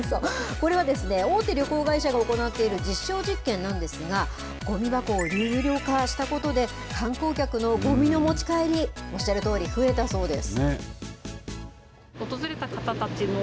これはですね、大手旅行会社が行っている実証実験なんですが、ゴミ箱を有料化したことで、観光客のごみの持ち帰り、おっしゃるとおり、増えたそうです。